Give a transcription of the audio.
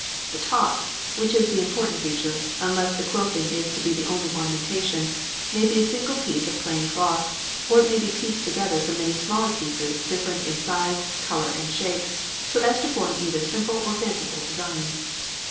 The top, which is the important feature, unless the quilting is to be the only ornamentation, may be a single piece of plain cloth; or it may be pieced together from many small pieces different in size, colour, and shape, so as to form either simple or fanciful designs.